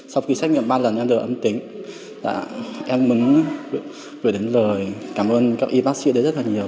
sau khi xét nghiệm ba lần em được âm tính em mừng được gửi đến lời cảm ơn các y bác sĩ rất là nhiều